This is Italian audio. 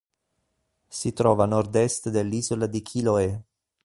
Si trova a nord-est dell'isola di Chiloé.